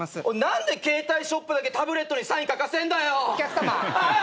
おい何で携帯ショップだけタブレットにサイン書かせんだよ！お客さま。